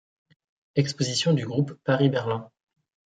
Exposition de groupe Paris-Berlin.